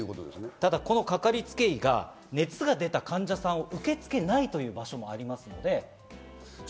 ただ、このかかりつけ医が熱が出た患者さんを受け付けないという場合もあります。